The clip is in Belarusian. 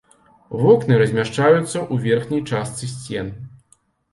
Вокны размяшчаюцца ў верхняй частцы сцен.